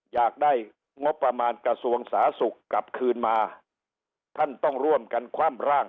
อยากได้งบประมาณกระทรวงสาธารณสุขกลับคืนมาท่านต้องร่วมกันคว่ำร่าง